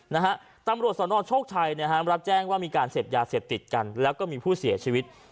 นะฮะตำรวจสนโชคชัยนะฮะรับแจ้งว่ามีการเสพยาเสพติดกันแล้วก็มีผู้เสียชีวิต